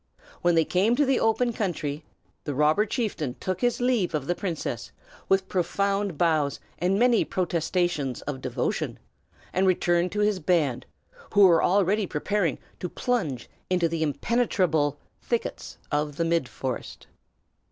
When they came to the open country, the robber chieftain took his leave of the princess, with profound bows and many protestations of devotion, and returned to his band, who were already preparing to plunge into the impenetrable thickets of the midforest.